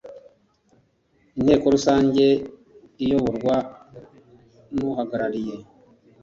Inteko Rusange iyoborwa n uhagarariye